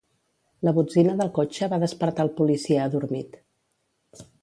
La botzina del cotxe va despertar el policia adormit.